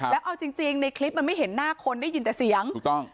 แล้วเอาจริงจริงในคลิปมันไม่เห็นหน้าคนได้ยินแต่เสียงถูกต้อง